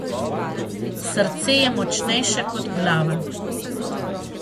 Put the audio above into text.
Srce je močnejše kot glava.